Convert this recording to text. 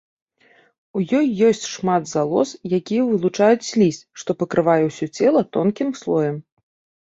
У ёй ёсць шмат залоз, якія вылучаюць слізь, што пакрывае ўсё цела тонкім слоем.